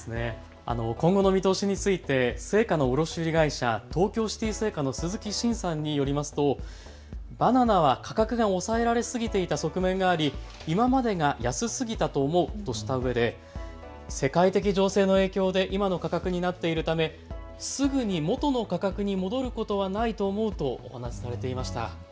今後の見通しについて青果の卸売会社、東京Ｃｉｔｙ青果の鈴木信さんによりますとバナナは価格が抑えられすぎていた側面があり今までが安すぎたと思うとしたうえで世界的情勢の影響で今の価格になっているため、すぐにもとの価格に戻ることはないと思うとお話されていました。